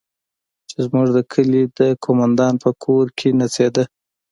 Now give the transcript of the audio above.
چې زموږ د کلي د قومندان په کور کښې نڅېده.